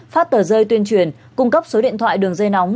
phát tờ rơi tuyên truyền cung cấp số điện thoại đường dây nóng